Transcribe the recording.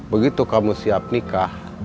begitu kamu siap nikah